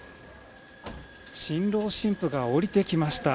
新郎新婦が降りてきました。